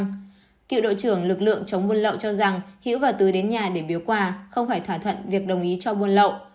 cựu đội trưởng lực lượng chống buôn lậu cho rằng hiễu và tứ đến nhà để biếu quà không phải thỏa thuận việc đồng ý cho buôn lậu